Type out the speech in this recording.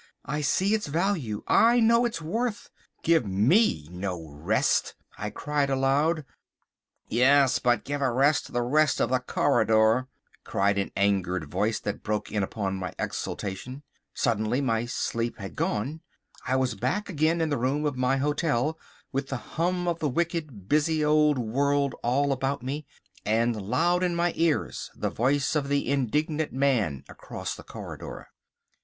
I see its value! I know its worth! Give me no rest," I cried aloud— "Yes, but give a rest to the rest of the corridor!" cried an angered voice that broke in upon my exultation. Suddenly my sleep had gone. I was back again in the room of my hotel, with the hum of the wicked, busy old world all about me, and loud in my ears the voice of the indignant man across the corridor.